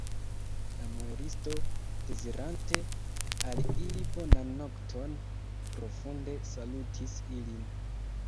La muelisto, dezirante al ili bonan nokton, profunde salutis ilin.